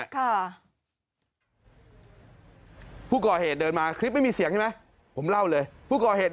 ค่ะผู้ก่อเหตุเดินมาคลิปไม่มีเสียงใช่ไหมผมเล่าเลยผู้ก่อเหตุ